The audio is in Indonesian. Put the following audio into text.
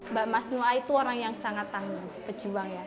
mbak mas nuai itu orang yang sangat tangguh pejuang ya